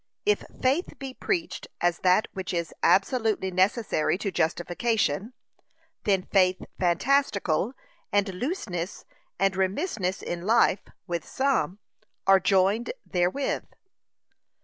If faith be preached as that which is absolutely necessary to justification, then faith fantastical, and looseness and remissness in life, with some, are joined therewith.